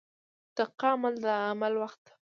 • دقیقه د عمل وخت دی.